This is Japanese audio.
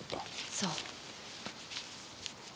そう。